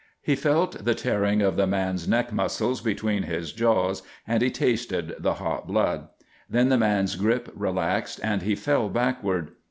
He felt the tearing of the man's neck muscles between his jaws and he tasted the hot blood. Then the man's grip relaxed and he fell backward.